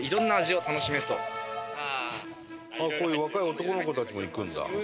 こういう若い男の子たちも行くんだ。